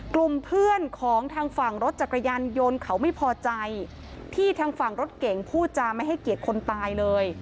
กลุ่มเพื่อนของทางฝั่งรถจักรยานยนต์เขาไม่พอใจที่ทางฝั่งรถเก่งพูดจาไม่ให้เกียรติคนตายเลย